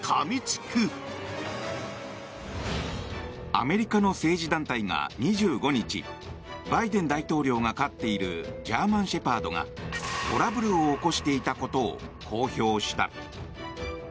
アメリカの政治団体が２５日バイデン大統領が飼っているジャーマンシェパードがトラブルを起こしていたことを公表した。